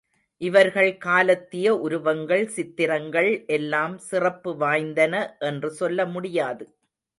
இவர்கள் காலத்திய உருவங்கள், சித்திரங்கள் எல்லாம் சிறப்பு வாய்ந்தன என்று சொல்ல முடியாது.